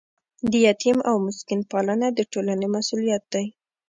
د یتیم او مسکین پالنه د ټولنې مسؤلیت دی.